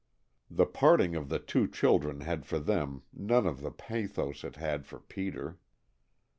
The parting of the two children had for them none of the pathos it had for Peter.